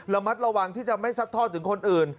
ระมัดระวังที่จะไม่ซัดทอดถึงคนอื่น